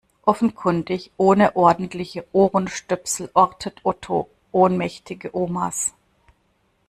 Offenkundig ohne ordentliche Ohrenstöpsel ortet Otto ohnmächtige Omas.